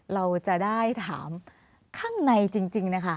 เราจะได้ถามครั่งในจริง